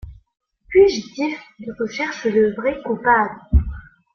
Fugitif, il recherche le vrai coupable.